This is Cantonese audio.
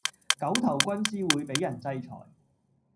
狗頭軍師會比人制裁